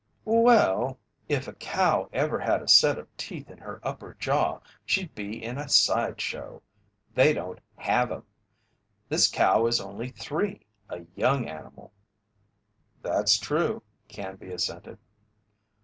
"Well if a cow ever had a set of teeth in her upper jaw she'd be in a side show. They don't have 'em. This cow is only three a young animal." "That's true," Canby assented.